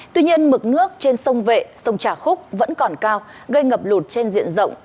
tuy nhiên mực nước trên sông vệ sông trà khúc vẫn còn cao gây ngập lụt trên diện rộng